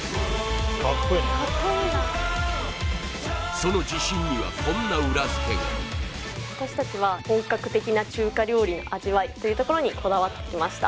その自信にはこんな裏付けが私たちは「本格的な中華料理の味わい」というところにこだわってきました